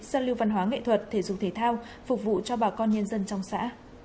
giao lưu văn hóa nghệ thuật thể dục thể thao phục vụ cho bà con nhân dân trong xã